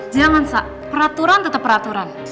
jangan sak peraturan tetap peraturan